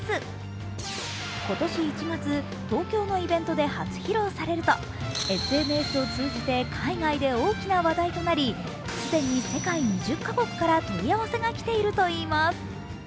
今年１月、東京のイベントで初披露されると、ＳＮＳを通じて海外で大きな話題となり既に世界２０カ国から問い合わせが来ているといいます。